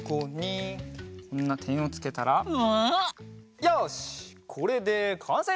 よしこれでかんせい！